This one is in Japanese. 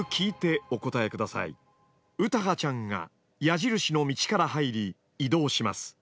詩羽ちゃんが矢印の道から入り移動します。